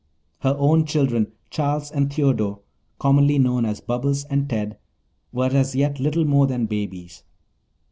Her own children, Charles and Theodore, commonly known as Bobbles and Ted, were as yet little more than babies.